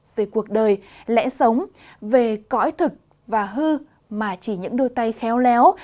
về cuộc đời lẽ sống về cõi thực và hư mà chỉ những đôi tay khéo léo